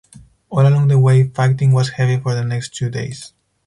All along the way fighting was heavy for the next two days.